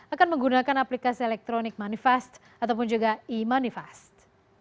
akan menggunakan aplikasi elektronik manifest ataupun juga e manifest